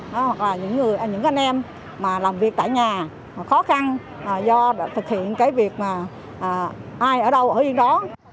hoặc là những anh em mà làm việc tại nhà khó khăn do thực hiện cái việc mà ai ở đâu ở yên đó